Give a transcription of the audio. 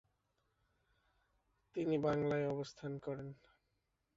তিনি বাংলায় অবস্থান করেন।